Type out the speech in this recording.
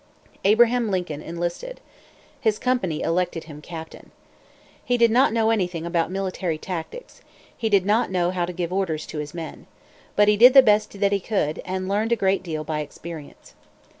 Abraham Lincoln enlisted. His company elected him captain. He did not know anything about military tactics. He did not know how to give orders to his men. But he did the best that he could, and learned a great deal by experience.